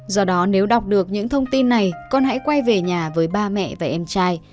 do đó nếu đọc được những thông tin này con hãy quay về nhà với ba mẹ và em trai